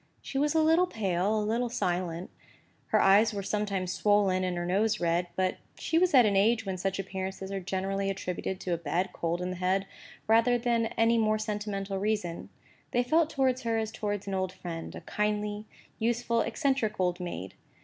She was a little pale, a little silent; her eyes were sometimes swollen, and her nose red; but she was at an age when such appearances are generally attributed to a bad cold in the head, rather than to any more sentimental reason. They felt towards her as towards an old friend, a kindly, useful, eccentric old maid.